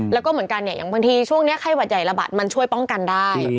แล้วก็เหมือนกันเนี่ยอย่างบางทีช่วงนี้ไข้หวัดใหญ่ระบาดมันช่วยป้องกันได้